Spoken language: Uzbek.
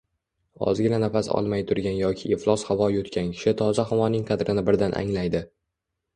Ozgina nafas olmay turgan yoki iflos havo yutgan kishi toza havoning qadrini birdan anglaydi